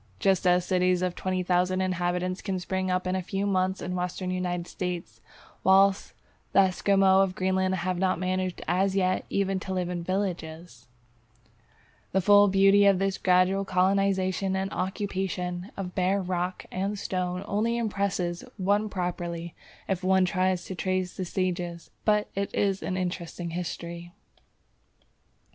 Just as cities of 20,000 inhabitants can spring up in a few months in the Western United States, whilst the Esquimaux of Greenland have not managed as yet even to live in villages! Warming, Lehrbuch der Oekol. Pfl. Geog. The full beauty of this gradual colonization and occupation of bare rock and stones only impresses one properly if one tries to trace the stages, but it is an interesting history.